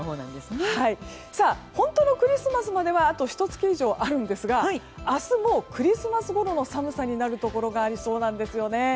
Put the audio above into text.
本当のクリスマスまではあとひと月以上あるんですが明日もクリスマスごろの寒さになるところがありそうなんですよね。